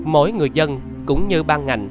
mỗi người dân cũng như ban ngành